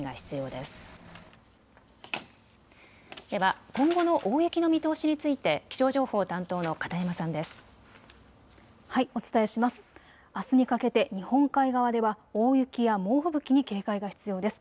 では今後の大雪の見通しについて気象情報担当の片山さんです。